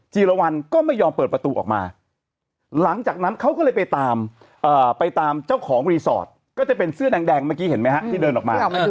จีรวรรณก็ไม่ยอมเปิดประตูออกมาหลังจากนั้นเขาก็เลยไปตามไปตามเจ้าของรีสอร์ทก็จะเป็นเสื้อแดงเมื่อกี้เห็นไหมฮะที่เดินออกมา